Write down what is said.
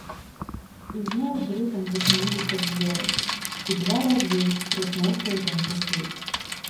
І зноў з рыпам зачыніліся дзверы, і два разы крутнуўся ў замку ключ.